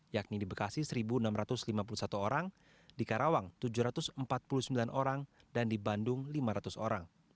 yakni di bekasi satu enam ratus lima puluh satu orang di karawang tujuh ratus empat puluh sembilan orang dan di bandung lima ratus orang